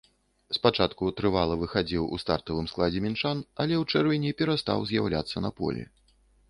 Спачатку трывала выхадзіў у стартавым складзе мінчан, але ў чэрвені перастаў з'яўляцца на полі.